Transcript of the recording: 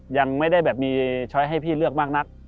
ยังไม่ได้แบบมีช้อยให้พี่เลือกมากนัก